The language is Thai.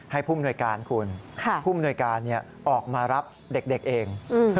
ผู้มนวยการคุณผู้มนวยการออกมารับเด็กเอง